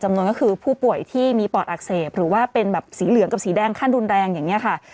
นวณก็คือผู้ป่วยที่มีปอดอักเสบหรือว่าเป็นแบบสีเหลืองกับสีแดงขั้นรุนแรงอย่างนี้ค่ะ